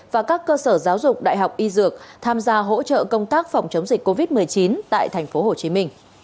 và các cơ sở giáo dục đại học y dược tham gia hỗ trợ công tác phòng chống dịch covid một mươi chín tại tp hcm